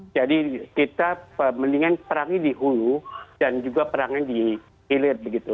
jadi kita mendingan perangi di hulu dan juga perangnya di hilir